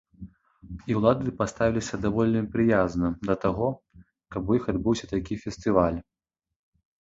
І ўлады паставіліся даволі прыязна да таго, каб у іх адбыўся такі фестываль.